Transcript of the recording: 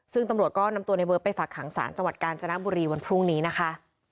ซึ่งตำรวจก็นำตัวในเบิร์ตไปฝากหางศาลจังหวัดกาญจนบุรีวันพรุ่งนี้นะคะ